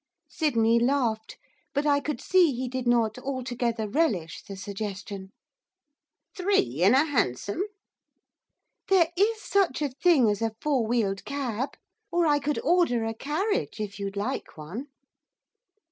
Sydney laughed, but I could see he did not altogether relish the suggestion. 'Three in a hansom?' 'There is such a thing as a four wheeled cab, or I could order a carriage if you'd like one.